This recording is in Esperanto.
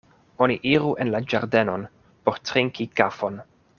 Oni iru en la ĝardenon por trinki kafon.